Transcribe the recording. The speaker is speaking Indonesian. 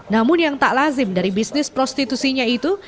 namun yang tak lazim dari bisnis prostitusinya itu